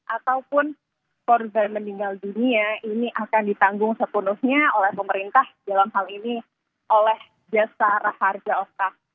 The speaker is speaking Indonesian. ataupun korban meninggal dunia ini akan ditanggung sepenuhnya oleh pemerintah dalam hal ini oleh jasa raharja otak